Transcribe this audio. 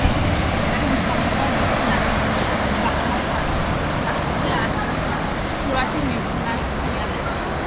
იმპერიის მოსახლეობის უმეტეს ნაწილს სწორედ შაჰზადა სალიმის ტახტზე ასვლა სურდა და მიზანსაც მიაღწია.